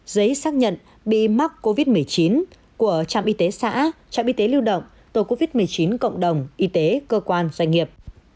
giấy xác nhận bị mắc covid một mươi chín của trạm y tế xã trạm y tế lưu động tổ covid một mươi chín cộng đồng y tế cơ quan doanh nghiệp